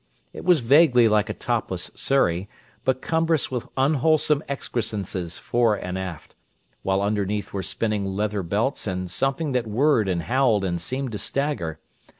It was vaguely like a topless surry, but cumbrous with unwholesome excrescences fore and aft, while underneath were spinning leather belts and something that whirred and howled and seemed to stagger.